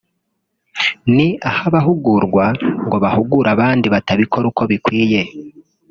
ni aho abahugurwa ngo bahugure abandi batabikora uko bikwiye